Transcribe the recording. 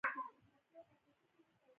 هېواد ته مینه پکار ده